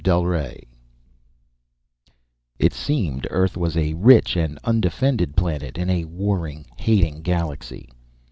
VICTORY _It seemed Earth was a rich, and undefended planet in a warring, hating galaxy.